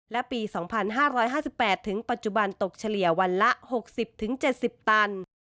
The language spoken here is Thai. และปี๒๕๕๘ถึงปัจจุบันตกเฉลี่ยวันละ๖๐๗๐ตัน